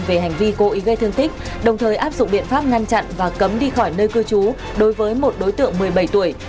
về hành vi cố ý gây thương tích đồng thời áp dụng biện pháp ngăn chặn và cấm đi khỏi nơi cư trú đối với một đối tượng một mươi bảy tuổi